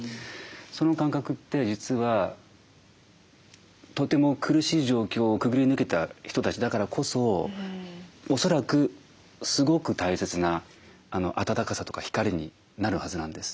その感覚って実はとても苦しい状況をくぐり抜けた人たちだからこそおそらくすごく大切な温かさとか光になるはずなんです。